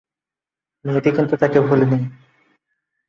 মেয়েটি কিন্তু তাকে ভুলেনি।